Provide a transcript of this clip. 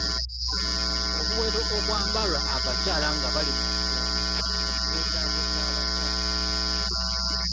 Obuwero obwambalwa abakyaala nga bali munsonga kyetaago ky'abakyala.